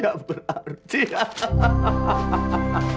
kamu juga limpinglah